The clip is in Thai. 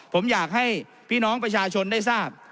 ผมอยากให้พี่น้องประชาชนได้ทราบ